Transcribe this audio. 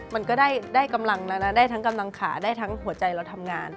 มันก็ได้กำลังแล้วนะได้ทั้งกำลังขาได้ทั้งหัวใจเราทำงาน